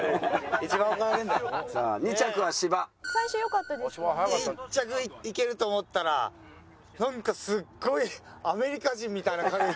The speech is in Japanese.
１着いけると思ったらなんかすっごいアメリカ人みたいな影が。